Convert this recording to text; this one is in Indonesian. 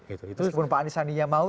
itu pun pak anies sandinya mau